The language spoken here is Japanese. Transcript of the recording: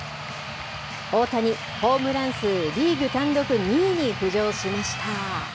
大谷、ホームラン数リーグ単独２位に浮上しました。